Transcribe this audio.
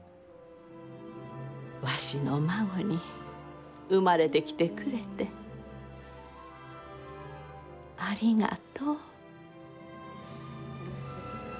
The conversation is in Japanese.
わしの孫に、生まれてきてくれてありがとう。